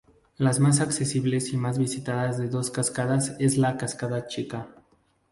Las más accesibles y más visitadas de las dos cascadas es la "cascada chica".